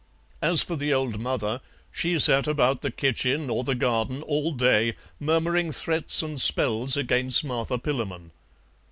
As for the old mother, she sat about the kitchen or the garden all day, murmuring threats and spells against Martha Pillamon.